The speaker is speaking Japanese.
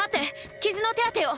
傷の手当てを！